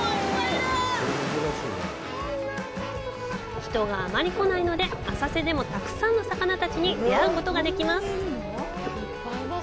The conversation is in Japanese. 人があまり来ないので浅瀬でも、たくさんの魚たちに出会うことができます。